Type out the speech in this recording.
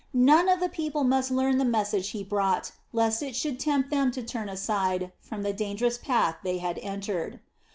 None of the people must learn the message he brought, lest it should tempt them to turn aside from the dangerous path they had entered.